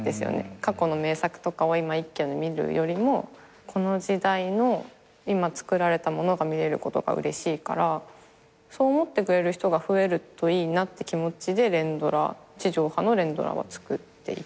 過去の名作とかを今一挙に見るよりもこの時代の今つくられたものが見れることがうれしいからそう思ってくれる人が増えるといいなって気持ちで地上波の連ドラはつくっていきたい。